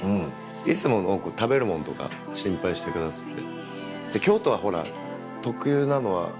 いつも食べるものとか心配してくださって。